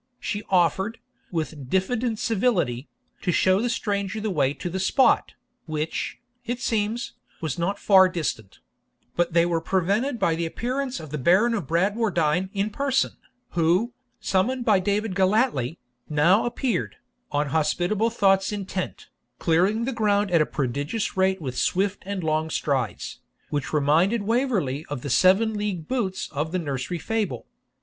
She offered, with diffident civility, to show the stranger the way to the spot, which, it seems, was not far distant; but they were prevented by the appearance of the Baron of Bradwardine in person, who, summoned by David Gellatley, now appeared, 'on hospitable thoughts intent,' clearing the ground at a prodigious rate with swift and long strides, which reminded Waverley of the seven league boots of the nursery fable.